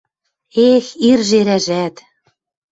— Эх, ир жерӓжӓт!